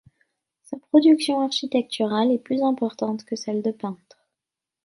Sa production architecturale est plus importante que celle de peintre.